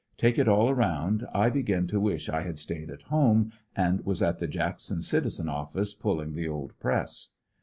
Take it all around I begin to wish I had stayed at home and was at the Jackson Citizen office pulling the old press.